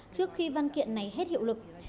trước khi văn kiện này hết hiệu lực